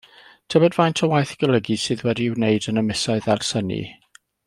Tybed faint o waith golygu sydd wedi ei wneud yn y misoedd ers hynny?